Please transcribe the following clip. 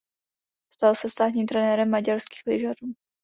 Stal se státním trenérem maďarských lyžařů.